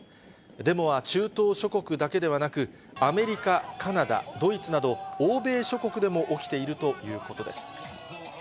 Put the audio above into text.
デモは中東諸国だけでなく、アメリカ、カナダ、ドイツなど、欧米諸国でも起きているということです。